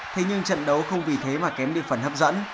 thế nhưng trận đấu không vì thế mà kém đi phần hấp dẫn